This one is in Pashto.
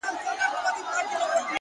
د شپې تیاره د شیانو شکل بدلوي